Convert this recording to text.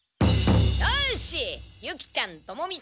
よしユキちゃんトモミちゃん